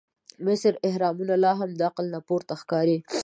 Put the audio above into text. د مصر احرامونه لا هم د عقل نه پورته ښکاري.